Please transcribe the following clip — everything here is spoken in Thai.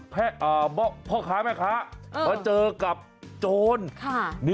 พ่อค้าแม่ค้ามาเจอกับโจร